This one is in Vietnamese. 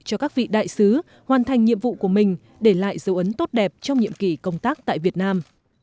cho các vị đại sứ hoàn thành nhiệm vụ của mình để lại dấu ấn tốt đẹp trong nhiệm kỳ công tác tại việt nam